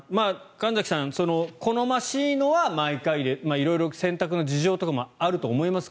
神崎さん、好ましいのは毎回で色々洗濯の事情とかもあると思います。